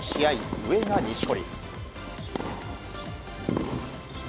上が錦織。